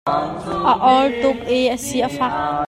A or tuk i a si a fak.